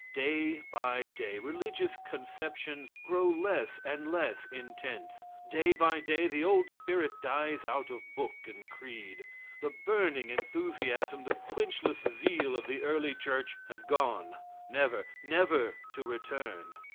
Day by day, religious conceptions grow less and less intense. Day by day, the old spirit dies out of book and creed. The burning enthusiasm, the quenchless zeal of the early church have gone, never, never to return.